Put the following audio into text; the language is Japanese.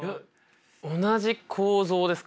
同じ構造ですか？